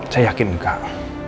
saya yakin enggak